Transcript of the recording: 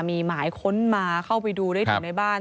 มีหมายค้นมาเข้าไปดูได้ถึงในบ้าน